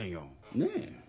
ねえ。